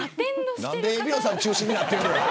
何で海老野さん中心になってるの。